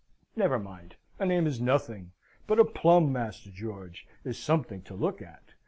Never mind. A name is nothing; but a plumb, Master George, is something to look at!